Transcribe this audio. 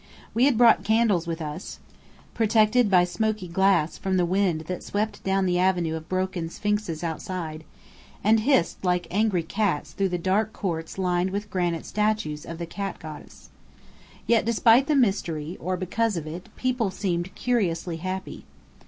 We had brought candles with us, protected by smoky glass from the wind that swept down the avenue of broken Sphinxes outside, and hissed like angry cats through the dark courts lined with granite statues of the Cat goddess. Yet despite the mystery, or because of it, people seemed curiously happy.